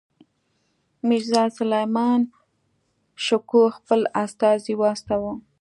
میرزاسلیمان شکوه خپل استازی واستاوه.